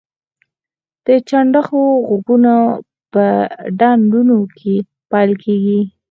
د چنډخو غږونه په ډنډونو کې پیل کیږي